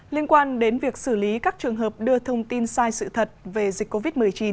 liên quan đến việc xử lý các trường hợp đưa thông tin sai sự thật về dịch covid một mươi chín